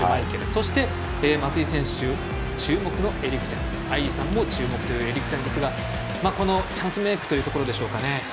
そして、松井選手注目愛莉さんも注目というエリクセンですがこのチャンスメイクというところでしょうか。